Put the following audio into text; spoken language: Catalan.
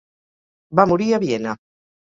Va morir a Viena.